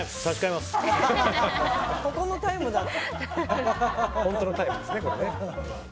ここのタイムなんだ。